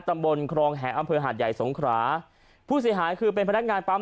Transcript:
ครองแหอำเภอหาดใหญ่สงขราผู้เสียหายคือเป็นพนักงานปั๊ม